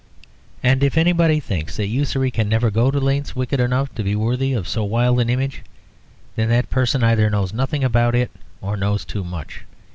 And if anybody thinks that usury can never go to lengths wicked enough to be worthy of so wild an image, then that person either knows nothing about it or knows too much.